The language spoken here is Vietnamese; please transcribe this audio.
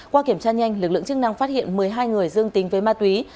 qua kiểm tra nhanh lực lượng chức năng phát hiện một mươi hai người dương tính với ma túy